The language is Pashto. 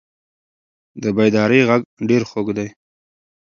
د بیدارۍ غږ ډېر خوږ دی.